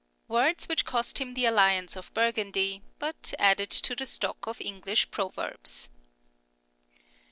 " words which cost him the alliance of Burgundy, but added to the stock of English proverbs.